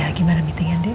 ya gimana meetingnya din